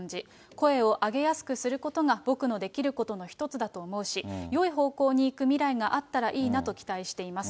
声を上げやすくすることが僕のできることの一つだと思うし、よい方向に行く未来があったらいいなと期待しています。